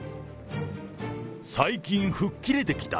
最近吹っ切れてきた。